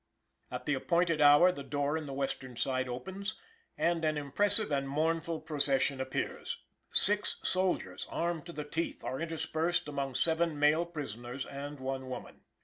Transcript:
At the appointed hour the door in the western side opens and an impressive and mournful procession appears. Six soldiers armed to the teeth are interspersed among seven male prisoners and one woman.